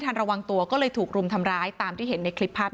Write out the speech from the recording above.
ระวังตัวก็เลยถูกรุมทำร้ายตามที่เห็นในคลิปภาพ